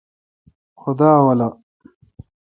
خدا اولو۔